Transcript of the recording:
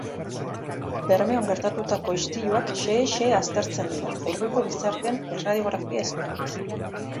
Bermeon gertatutako istiluak xehe-xehe aztertzen dira, orduko gizartearen erradiografia eskainiz.